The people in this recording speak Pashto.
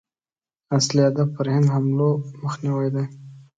اصلي هدف پر هند حملو مخنیوی دی.